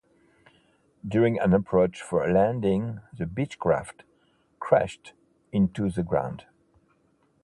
During an approach for a landing, the Beechcraft crashed into the ground.